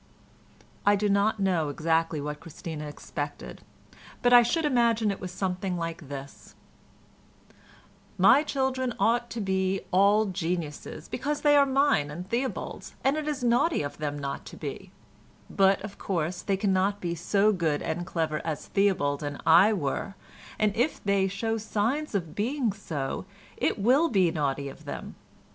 I do not know exactly what Christina expected, but I should imagine it was something like this: "My children ought to be all geniuses, because they are mine and Theobald's, and it is naughty of them not to be; but, of course, they cannot be so good and clever as Theobald and I were, and if they show signs of being so it will be naughty of them.